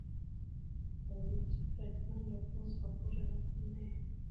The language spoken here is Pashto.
فرګوسن وویل: ته هم له کوم سرخوږي نه کم نه يې.